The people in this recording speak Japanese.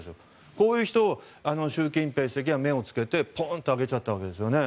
こういう人を習近平主席は目をつけてポーンと上げちゃったわけですね。